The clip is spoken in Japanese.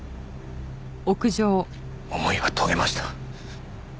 思いは遂げました。